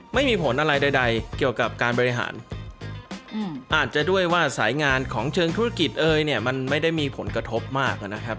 ไม่มีผลอะไรใดเกี่ยวกับการบริหารอาจจะด้วยว่าสายงานของเชิงธุรกิจเอยเนี่ยมันไม่ได้มีผลกระทบมากนะครับ